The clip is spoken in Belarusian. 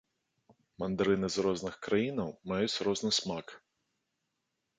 Мандарыны з розных краінаў маюць розны смак.